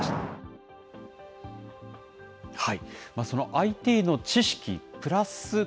そのＩＴの知識プラス